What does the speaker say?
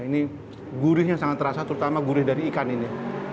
ini gurihnya sangat terasa terutama gurih dari ikan ini